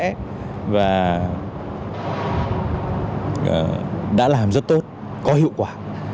thì đã làm rất tốt có hiệu quả